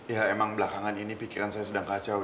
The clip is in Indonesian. ya emang belakangan ini pikiran saya sedang kacau